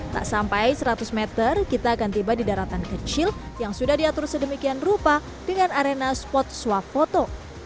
tak sampai seratus meter kita akan tiba di daratan kecil yang sudah diatur sedemikian rupa dengan arena spot swap foto